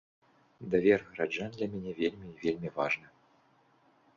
Давер гараджан для мяне вельмі і вельмі важны.